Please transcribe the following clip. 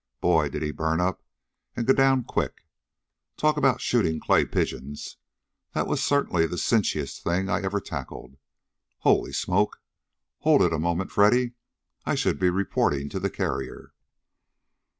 Boy! Did he burn up and go down quick! Talk about shooting clay pigeons! That was certainly the cinchiest thing I ever tackled. I Holy smoke! Hold it a moment, Freddy! I should be reporting to the carrier."